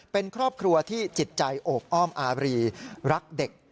เป็นครอบครัวที่จิตใจโอบอ้อมอารีรักเด็ก